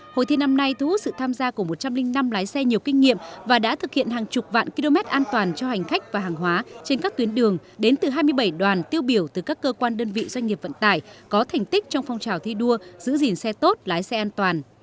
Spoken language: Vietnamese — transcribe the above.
hội thi năm nay thu hút sự tham gia của một trăm linh năm lái xe nhiều kinh nghiệm và đã thực hiện hàng chục vạn km an toàn cho hành khách và hàng hóa trên các tuyến đường đến từ hai mươi bảy đoàn tiêu biểu từ các cơ quan đơn vị doanh nghiệp vận tải có thành tích trong phong trào thi đua giữ gìn xe tốt lái xe an toàn